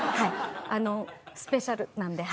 スペシャルなんで。